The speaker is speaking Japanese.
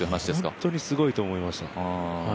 本当にすごいと思いました。